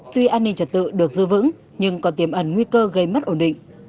tuy an ninh trật tự được dư vững nhưng còn tiềm ẩn nguy cơ gây mất ổn định